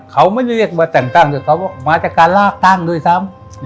เขาไม่ได้เรียกมาแต่งตั้งด้วยเขาว่ามาจากการลากตั้งด้วยซ้ำ